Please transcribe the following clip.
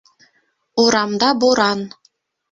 Урамда буран.